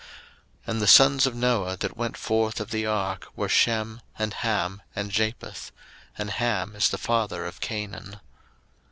01:009:018 And the sons of Noah, that went forth of the ark, were Shem, and Ham, and Japheth: and Ham is the father of Canaan.